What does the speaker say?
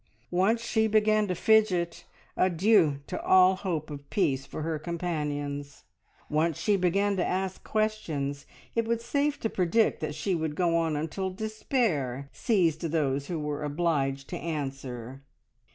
Once she began to fidget, adieu to all hope of peace for her companions. Once she began to ask questions, it was safe to predict that she would go on until despair seized those who were obliged to answer.